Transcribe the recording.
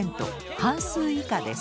半数以下です。